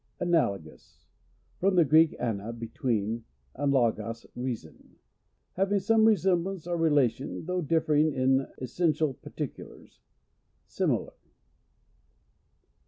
Analogous. — From the Greek, ana, between, and logos, reason. I lav. ing some resemblance or relation though differing in essentia] par ticulars. Similar.